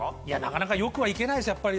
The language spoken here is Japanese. いやなかなかよくは行けない。